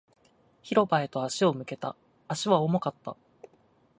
広場へと足を向けた。足は重かった。